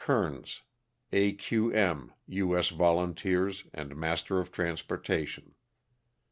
Kernes, A. Q. M., U. S. Volunteers, and master of transportation.